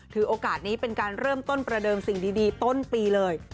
ถือโอกาสนี้เป็นการเริ่มต้นประเดิมสิ่งดีต้นปีเลย